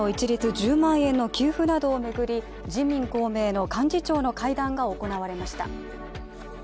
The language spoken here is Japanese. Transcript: １０万円の給付などをめぐり、自民公明の幹事長の会談が行われました。